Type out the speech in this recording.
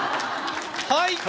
はい。